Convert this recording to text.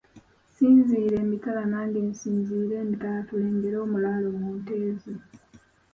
Sinziirira emitala nange nsinziirire emitala tulengere omulaalo mu nte ze.